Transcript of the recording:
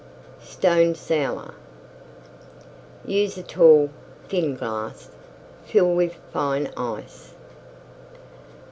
STONE SOUR Use a tall, thin glass; fill with fine Ice.